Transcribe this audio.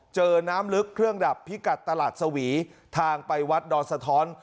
เจอน้ำลึกเครื่องดับพิกัดตลาดสวีทางไปวัดดอนสะท้อน